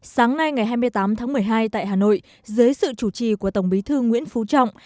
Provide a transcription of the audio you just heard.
sáng nay ngày hai mươi tám tháng một mươi hai tại hà nội dưới sự chủ trì của tổng bí thư nguyễn phú trọng